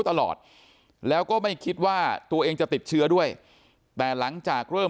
ตลอดแล้วก็ไม่คิดว่าตัวเองจะติดเชื้อด้วยแต่หลังจากเริ่ม